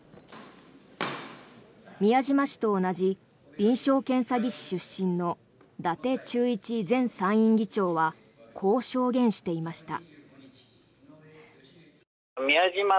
宮島氏と同じ臨床検査技師出身の伊達忠一前参院議長はこう証言していました。